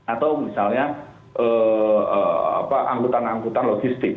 atau misalnya anggota anggota logistik